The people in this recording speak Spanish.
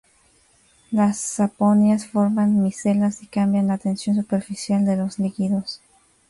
Las saponinas forman micelas y cambian la tensión superficial de los líquidos.